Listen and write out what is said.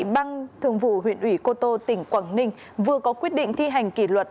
ban thường vụ huyện ủy cô tô tỉnh quảng ninh vừa có quyết định thi hành kỷ luật